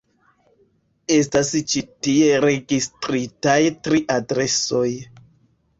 Estas ĉi tie registritaj tri adresoj.